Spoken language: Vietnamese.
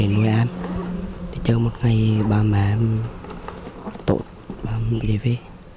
nuôi em chờ một ngày ba mẹ em tội ba mẹ em đi về